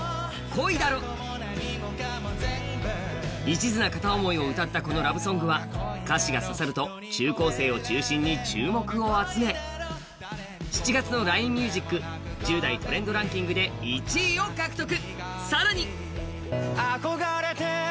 いちずな片思いを歌ったこのラブソングは歌詞が刺さると中高生を中心に注目を集め７月のＬＩＮＥＭＵＳＩＣ１０代トレンドランキングで１位を獲得。